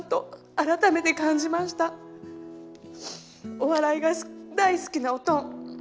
お笑いが大好きなおとん。